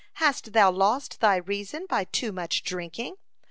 Hast thou lost thy reason by too much drinking?